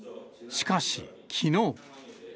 しかし、きのう。